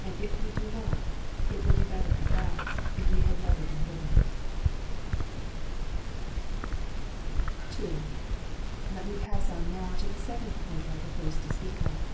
And if we do not, it will be better at last if we had never been born. * II. Let me pass on now to the second point I proposed to speak of.